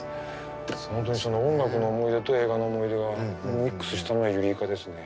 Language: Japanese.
本当にその音楽の思い出と映画の思い出がミックスしたのが「ＥＵＲＥＫＡユリイカ」ですね。